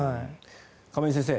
亀井先生